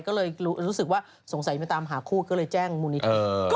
ก็เลยรู้สึกว่าสงสัยไปตามหาคู่ก็เลยแจ้งมูลนิธิ